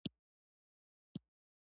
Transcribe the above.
د غنمو زیرمه کول د بدې ورځې لپاره دي.